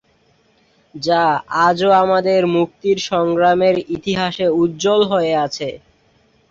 যা আজও আমাদের মুক্তির সংগ্রামের ইতিহাসে উজ্জ্বল হয়ে আছে।